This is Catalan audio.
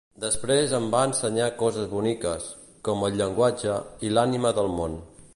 Desprès em vas ensenyar coses boniques, com el Llenguatge i l'Ànima del Món.